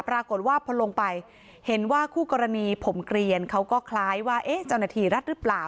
ปรากฏว่าพอลงไปเห็นว่าคู่กรณีผมเกลียนเขาก็คล้ายว่าเอ๊ะเจ้าหน้าที่รัฐหรือเปล่า